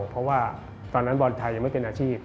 เพราะว่าตอนนั้นบอลไทยยังไม่เป็นอาชีพ